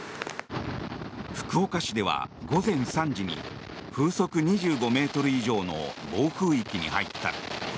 福岡市では午前３時に風速２５ｍ以上の暴風域に入った。